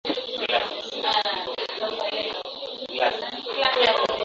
Mtu ni mtenda njema, atwiiye Mola wetu